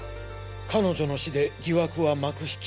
彼女の死で疑惑は幕引き。